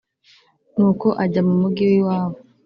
nuko ajya mu mugi wi wabo